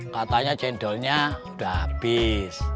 katanya cendolnya udah habis